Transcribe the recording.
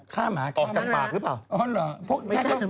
ฆ่าหมากมากนะครับอ๋อเหรอจัดปากหรือเปล่าอ๋อเหรอ